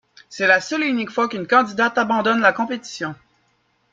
C'est la seule et unique fois qu'une candidate abandonne la compétition.